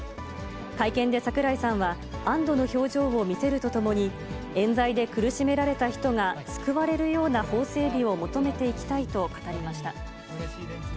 会見で桜井さんは、安どの表情を見せるとともに、えん罪で苦しめられた人が救われるような法整備を求めていきたいと語りました。